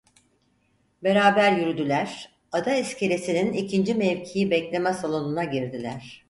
Beraber yürüdüler, Ada iskelesinin ikinci mevki bekleme salonuna girdiler…